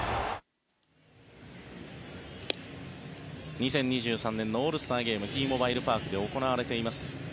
２０２３年のオールスターゲームＴモバイル・パークで行われています。